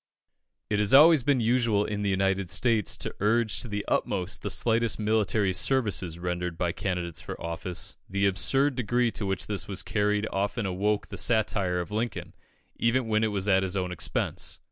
It has always been usual in the United States to urge to the utmost the slightest military services rendered by candidates for office. The absurd degree to which this was carried often awoke the satire of Lincoln, even when it was at his own expense.